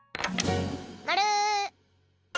まる！